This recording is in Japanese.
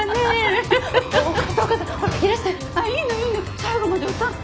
最後まで歌って。